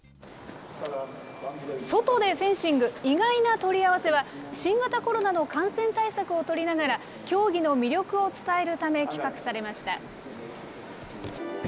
外でフェンシング、意外な取り合わせは、新型コロナの感染対策を取りながら、競技の魅力を伝えるため、企画されました。